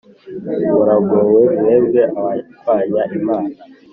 Muragowe, mwebwe abarwanya Imana,